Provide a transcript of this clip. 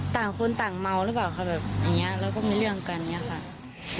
ต่างคนต่างเมาหรือเปล่าค่ะแบบอย่างนี้แล้วก็มีเรื่องกันอย่างนี้ค่ะ